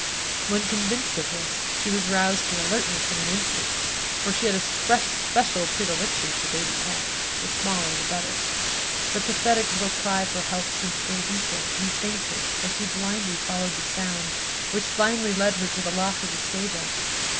When convinced of this she was roused to alertness in an instant for she had a special predilection for baby cats, the smaller the better. The pathetic little cry for help seemed to grow weaker and fainter as she blindly followed the sound, which finally led her to the loft of the stable.